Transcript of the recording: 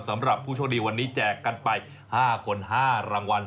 สำหรับผู้โชคดีวันนี้แจกกันไป๕คน๕รางวัล